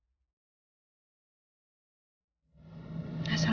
lapsdek ini punya siapa ya